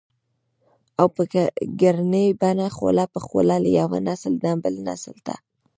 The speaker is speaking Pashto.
او په ګړنۍ بڼه خوله په خوله له يوه نسل نه بل نسل ته